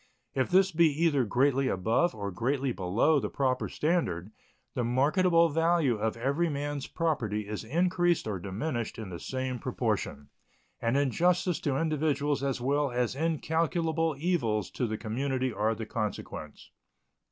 If this be either greatly above or greatly below the proper standard, the marketable value of every man's property is increased or diminished in the same proportion, and injustice to individuals as well as incalculable evils to the community are the consequence.